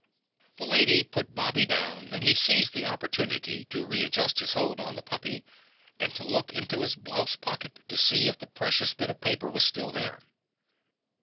The Lady put Bobby down and he seized the opportunity to readjust his hold on the puppy and to look into his blouse pocket to see if the precious bit of paper was still there.